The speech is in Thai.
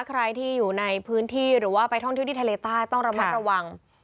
ใครที่อยู่ในพื้นที่หรือว่าไปท่องเที่ยวที่ทะเลใต้ต้องระมัดระวัง